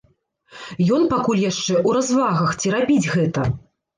Ён пакуль яшчэ ў развагах, ці рабіць гэта.